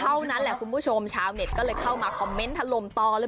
เท่านั้นแหละคุณผู้ชมชาวเน็ตก็เลยเข้ามาคอมเมนต์ถล่มต่อเลย